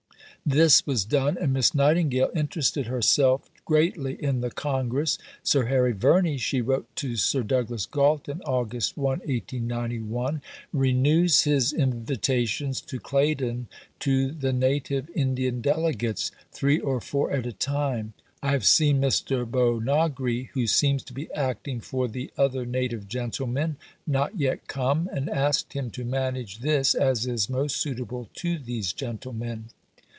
This was done, and Miss Nightingale interested herself greatly in the Congress. "Sir Harry Verney," she wrote to Sir Douglas Galton (Aug. 1, 1891), "renews his invitations to Claydon to the native Indian delegates, 'three or four at a time.' I have seen Mr. Bhownaggree, who seems to be acting for the other native gentlemen, not yet come, and asked him to manage this, as is most suitable to these gentlemen.